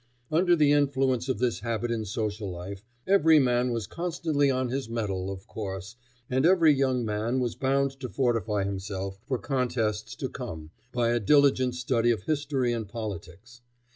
Under the influence of this habit in social life, every man was constantly on his metal, of course, and every young man was bound to fortify himself for contests to come by a diligent study of history and politics.